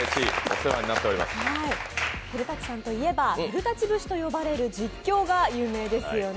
古舘さんといえば古舘節と言われる実況が有名ですよね。